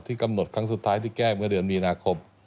กำหนดครั้งสุดท้ายที่แก้เมื่อเดือนมีนาคม